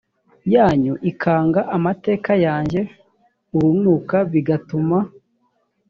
yanyu ikanga amateka yanjye urunuka bigatuma